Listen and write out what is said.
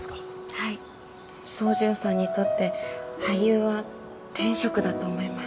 はい宗純さんにとって俳優は天職だと思います。